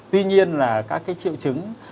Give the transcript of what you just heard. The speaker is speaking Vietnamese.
tuy nhiên là các cái triệu chứng